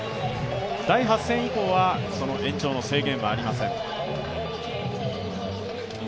第８戦以降は延長の制限はありません。